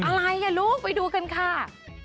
อะไรอ่ะลูกไปดูกันค่ะ